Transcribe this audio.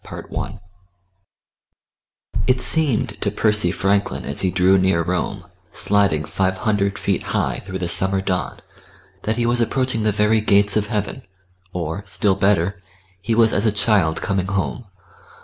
CHAPTER II I It seemed to Percy Franklin as he drew near Rome, sliding five hundred feet high through the summer dawn, that he was approaching the very gates of heaven, or, still better, he was as a child coming home.